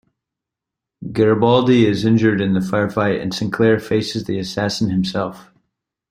Garibaldi is injured in the firefight and Sinclair faces the assassin himself.